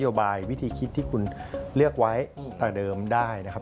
แล้วกลับกันเลยได้ไหมครับ